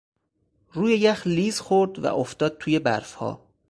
روی یخ لیز خورد و افتاد توی برفها.